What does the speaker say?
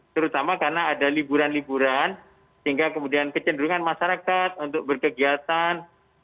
terutama karena ada liburan liburan sehingga kemudian kecenderungan masyarakat untuk berkegiatan